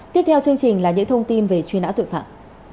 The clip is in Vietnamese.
tiếp theo chương trình là những thông tin về truy nã tội phạm